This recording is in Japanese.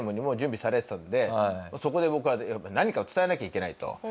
もう準備されてたのでそこで僕はやっぱり何かを伝えなきゃいけないと。